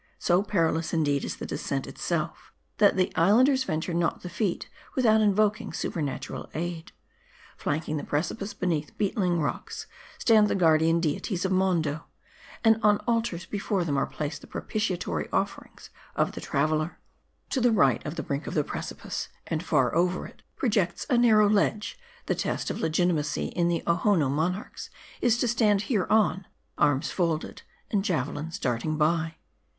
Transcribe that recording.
So perilous, indeed, is the descent itself, that the islanders ven ture not the feat, without invoking supernatural aid. Flank ing the precipice, beneath beetling rocks, stand the guardian MARDI. 321 deities of Hondo ; and on ultars before them, are placed the propitiatory offerings of the traveler. To the right of the brink of the precipice, and far over it, projects a narrow ledge. The test of legitimacy in the Ohonoo monarchs is to stand hereon, arms folded, and jave lins darting by.